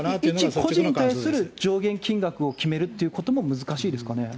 一個人に対する上限金額を決めるということも難しいですかね。